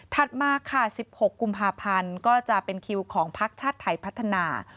มาค่ะ๑๖กุมภาพันธ์ก็จะเป็นคิวของพักชาติไทยพัฒนา